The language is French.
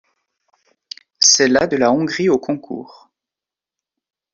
C'est la de la Hongrie au Concours.